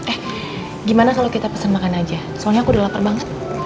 eh gimana kalau kita pesan makan aja soalnya aku udah lapar banget